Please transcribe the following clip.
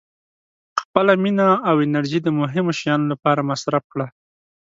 • خپله مینه او انرژي د مهمو شیانو لپاره مصرف کړه.